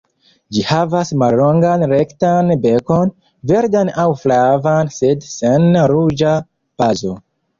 Ĝi havas mallongan rektan bekon, verdan aŭ flavan sed sen ruĝa bazo.